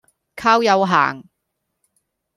靠右行